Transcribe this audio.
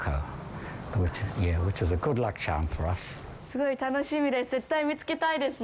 すごい楽しみです。